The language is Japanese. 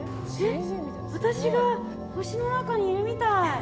私が星の中にいるみたい。